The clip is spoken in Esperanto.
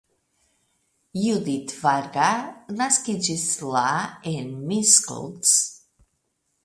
Judit Varga naskiĝis la en Miskolc.